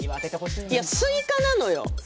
スイカなのよ。